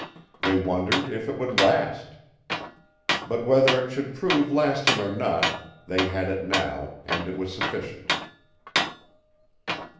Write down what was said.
They wondered if it would last. But whether it should prove lasting or not, they had it now and it was sufficient.